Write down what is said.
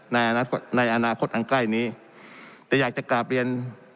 ในในอนาคตอันใกล้นี้แต่อยากจะกราบเรียน